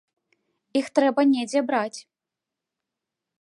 Іх трэба недзе браць.